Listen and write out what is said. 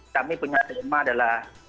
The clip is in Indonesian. kami punya tema adalah